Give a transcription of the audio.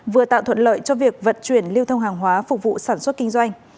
vừa tạo thuận lợi cho việc vận chuyển lưu thông hàng hóa phục vụ sản xuất kinh doanh